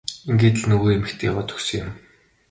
Ингээд л нөгөө эмэгтэй яваад өгсөн юм.